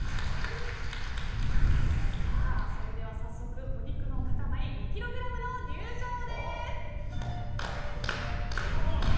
それでは早速お肉の塊２ｋｇの入場です！